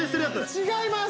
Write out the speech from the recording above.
違います。